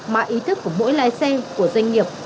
mà ý thức của mỗi lái xe của doanh nghiệp